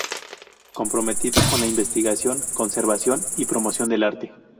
Comprometido con la investigación, conservación y promoción del arte.